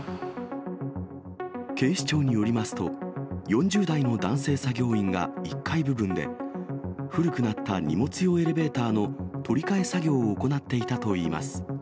警視庁によりますと、４０代の男性作業員が１階部分で、古くなった荷物用エレベーターの取り換え作業を行っていたといいます。